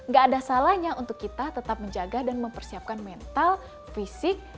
gak ada salahnya untuk kita tetap menjaga dan mempersiapkan mental fisik